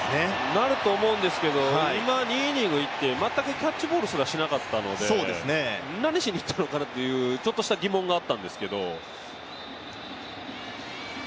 なると思うんですけど今、２イニングいって全くキャッチボールすらしなかったので、何しに行ったのかなというちょっとした疑問があったんですけど。